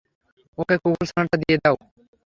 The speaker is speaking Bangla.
ওকে কুকুরছানাটা দিয়ে দাও।